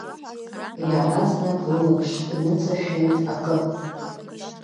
Иаразнак лылаԥш иныҵашәеит акы…